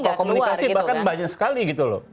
kok komunikasi bahkan banyak sekali gitu loh